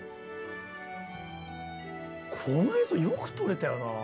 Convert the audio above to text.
この映像よく撮れたよな。